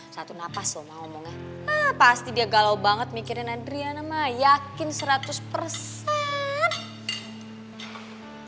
satu nafas loh mau ngomongnya pasti dia galau banget mikirin adriana mah yakin seratus persen